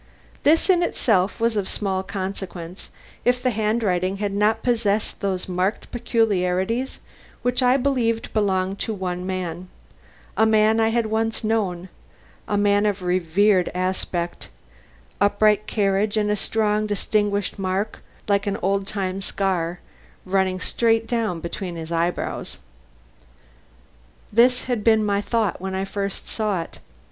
This in itself was of small consequence if the handwriting had not possessed those marked peculiarities which I believed belonged to but one man a man I had once known a man of reverend aspect, upright carriage and a strong distinguishing mark, like an old time scar, running straight down between his eyebrows. This had been my thought when I first saw it.